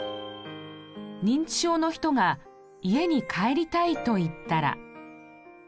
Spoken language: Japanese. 認知症の人が「家に帰りたい」と言ったら。